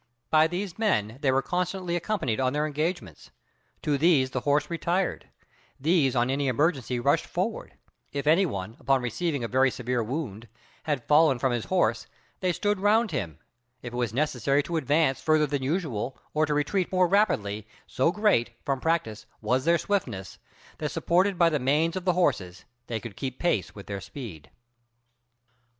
By these men they were constantly accompanied in their engagements; to these the horse retired; these on any emergency rushed forward; if any one, upon receiving a very severe wound, had fallen from his horse, they stood around him; if it was necessary to advance farther than usual or to retreat more rapidly, so great, from practice, was their swiftness, that supported by the manes of the horses they could keep pace with their speed.